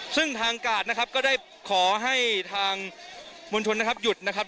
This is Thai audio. ซึ่งทางกาดนะครับก็ได้ขอให้ทางมวลชนนะครับหยุดนะครับ